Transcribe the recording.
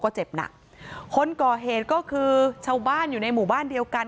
ก็เจ็บหนักคนก่อเหตุก็คือชาวบ้านอยู่ในหมู่บ้านเดียวกัน